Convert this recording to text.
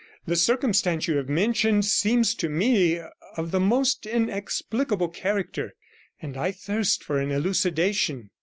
The circumstance you have mentioned seems to me of the most inexplicable character, and I thirst for an elucidation.'